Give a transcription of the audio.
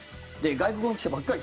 外国の記者ばっかり。